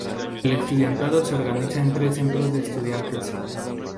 El estudiantado se organiza en tres centros de estudiantes.